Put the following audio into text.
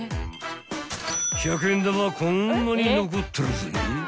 ［１００円玉はこんなに残ってるぜ］